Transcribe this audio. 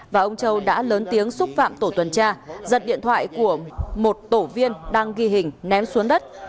và ông châu đã lớn tiếng xúc phạm tổ tuần tra giật điện thoại của một tổ viên đang ghi hình ném xuống đất